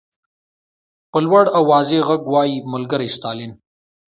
په لوړ او واضح غږ وایي ملګری ستالین.